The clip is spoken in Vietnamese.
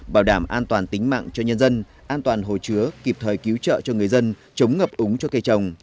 bảo đảm an toàn tính mạng cho nhân dân an toàn hồ chứa kịp thời cứu trợ cho người dân chống ngập úng cho cây trồng